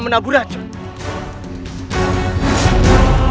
tidak mediaadi juga